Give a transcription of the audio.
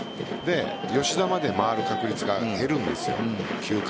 吉田まで回る確率が減るんですよ。